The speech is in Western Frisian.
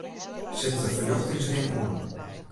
Set de ferljochtingsring oan.